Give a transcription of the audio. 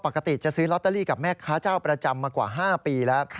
ปกติจะซื้อลอตเตอรี่กับแม่ค้าเจ้าประจำมากว่า๕ปีแล้ว